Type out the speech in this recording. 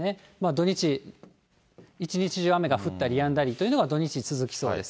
土日、一日中雨が降ったりやんだりというのが土日、続きそうです。